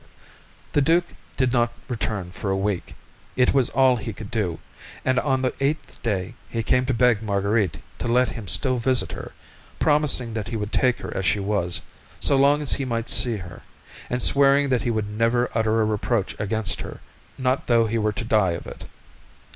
The duke did not return for a week; it was all he could do, and on the eighth day he came to beg Marguerite to let him still visit her, promising that he would take her as she was, so long as he might see her, and swearing that he would never utter a reproach against her, not though he were to die of it.